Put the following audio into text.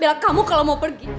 ya kamu kalau mau pergi